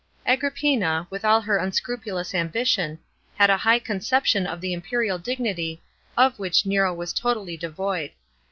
§ 7. Agrippina, with all her unscrupulous ambition, had a high conception of the imperial dignity, of which Nero was totally devoid.